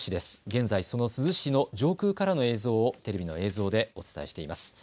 現在、その珠洲市の上空からの映像をテレビの映像でお伝えしています。